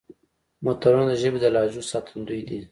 متلونه د ژبې د لهجو ساتندوی دي